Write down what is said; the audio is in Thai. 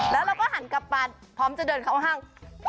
แล้วเราก็หันกลับมาพร้อมจะเดินเข้าห้าง